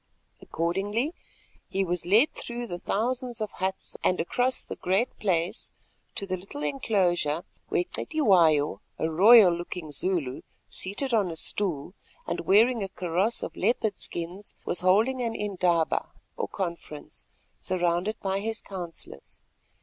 Accordingly he was led through the thousands of huts and across the Great Place to the little enclosure where Cetywayo, a royal looking Zulu seated on a stool, and wearing a kaross of leopard skins, was holding an indaba, or conference, surrounded by his counsellors.